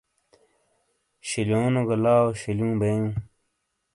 شِیلیونو گہ لاؤک شِیلیوں بیئوں۔